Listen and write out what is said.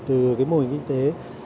từ mô hình kinh tế